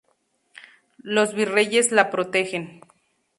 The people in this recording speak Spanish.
Los virreyes la protegen.